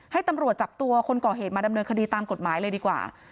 ให้ตำรวจจับตัวคนก่อเหตุมาดำเนินคดีตามกฎหมายเลยดีกว่า